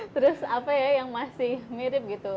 terus apa ya yang masih mirip gitu